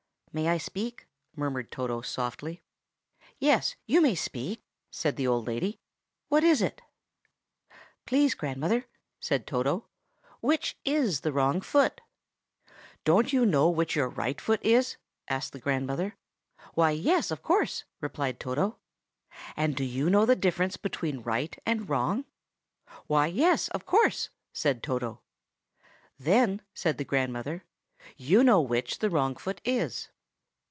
"May I speak?" murmured Toto softly. "Yes, you may speak," said the old lady. "What is it?" "Please, grandmother," said Toto, "which is the wrong foot?" "Don't you know which your right foot is?" asked the grandmother. "Why, yes, of course," replied Toto. "And do you know the difference between right and wrong?" "Why, yes, of course," said Toto. "Then," said the grandmother, "you know which the wrong foot is.